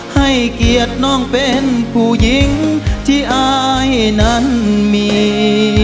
ให้เกียรติน้องเป็นผู้หญิงที่อายนั้นมี